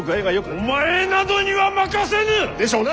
お前などには任せぬ！でしょうな！